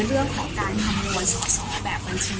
ซึ่งตัวเองจริงก็อยากจะขอความเป็นธรรมเหมือนกัน